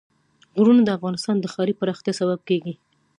غرونه د افغانستان د ښاري پراختیا سبب کېږي.